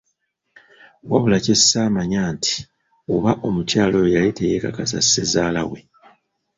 Wabula kye ssaamanya nti oba omukyala oyo yali teyeekakasa Ssezaalawe!